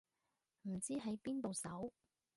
唔知喺邊度搜